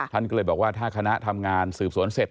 ท่านก็เลยบอกว่าถ้าคณะทำงานสืบสวนเสร็จ